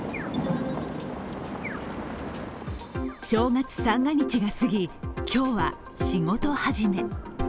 正月三が日が過ぎ今日は仕事始め。